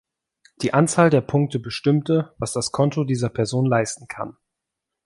Die Anzahl der Punkte bestimmte, was das Konto dieser Person leisten kann.